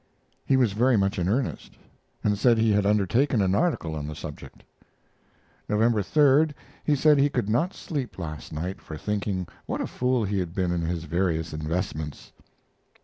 He was very much in earnest, and said he had undertaken an article on the subject. November 3. He said he could not sleep last night, for thinking what a fool he had been in his various investments.